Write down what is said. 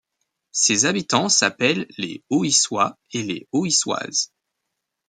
Ses habitants s'appellent les Ohissois et les Ohissoises.